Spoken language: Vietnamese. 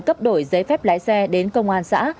cấp đổi giấy phép lái xe đến công an xã